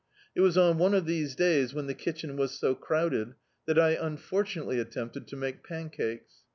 It was on one of these days, when the kitchen was so crowded, that I imfortunately attempted to make pancakes.